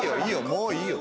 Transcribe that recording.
もういいよ